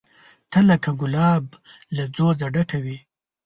ته لکه ګلاب له ځوزه ډکه وې